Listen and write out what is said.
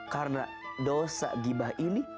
karena dosa gibah ini